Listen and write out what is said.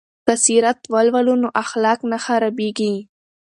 که سیرت ولولو نو اخلاق نه خرابیږي.